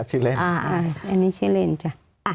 ขอเชิญทีนี้ชื่อเรนจ้ะ